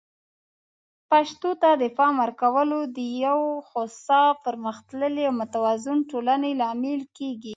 پښتو ته د پام ورکول د یو هوسا، پرمختللي او متوازن ټولنې لامل کیږي.